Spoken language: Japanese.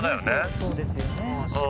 そうですよね。